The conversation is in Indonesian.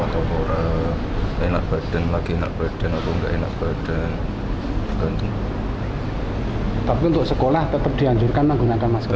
tetapi untuk sekolah tetap dihancurkan menggunakan masker